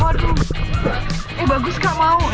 waduh ini bagus kak mau